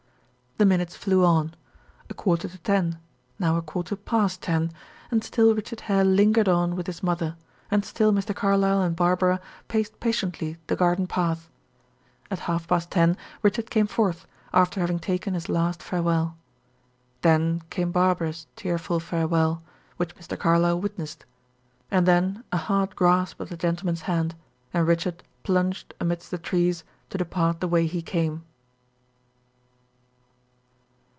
The minutes flew on. A quarter to ten; now a quarter past ten; and still Richard Hare lingered on with his mother, and still Mr. Carlyle and Barbara paced patiently the garden path. At half past ten Richard came forth, after having taken his last farewell. Then came Barbara's tearful farewell, which Mr. Carlyle witnessed; and then a hard grasp of that gentleman's hand, and Richard plunged amidst the trees to depart the way he came.